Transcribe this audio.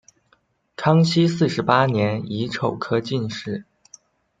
康熙四十八年己丑科进士。